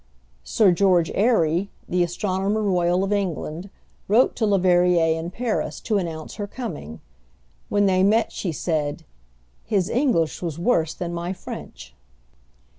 Sir George Airy, the Astronomer Royal of England, wrote to Leverrier in Paris to announce her coming. When they met, she said, "His English was worse than my French."